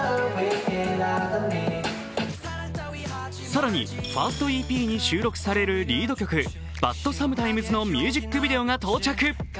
更にファーストＥＰに収録されるリード曲「Ｂｕｔｓｏｍｅｔｉｍｅｓ」のミュージックビデオが到着。